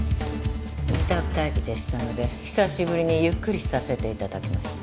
自宅待機でしたので久しぶりにゆっくりさせて頂きました。